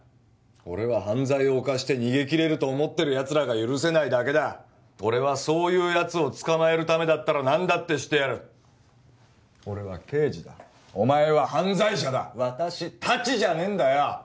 俺は犯罪を犯して逃げきれると思ってるやつらが許せないだけだ俺はそういうやつを捕まえるためだったら何だってしてやる俺は刑事だお前は犯罪者だ私たちじゃねえんだよ！